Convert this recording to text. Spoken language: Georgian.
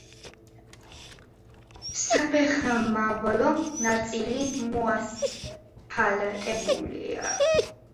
საფეხმავლო ნაწილი მოასფალტებულია.